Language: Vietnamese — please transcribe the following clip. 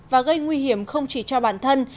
và gây nguy hiểm không chỉ cho bản thân